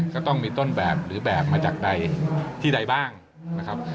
ก็ต้องมีต้นแบบหรือแบบมาจากใดที่ใดบ้างนะครับ